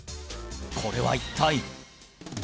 これは一体？